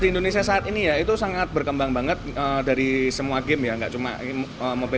di indonesia saat ini yaitu sangat berkembang banget dari semua game ya nggak cuma mobile